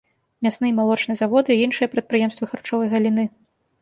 Мясны і малочны заводы, іншыя прадпрыемствы харчовай галіны.